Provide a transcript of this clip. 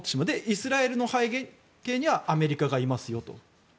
イスラエルの背景にはアメリカがいますよと。